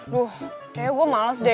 duh kayaknya gue males deh